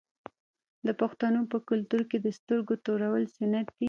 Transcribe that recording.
د پښتنو په کلتور کې د سترګو تورول سنت دي.